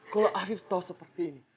kalau arief tahu seperti ini